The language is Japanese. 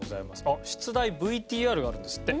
あっ出題ＶＴＲがあるんですって。